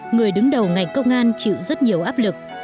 người đứng đầu ngành công an chịu rất nhiều áp lực